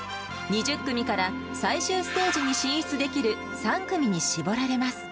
２０組から最終ステージに進出できる３組に絞られます。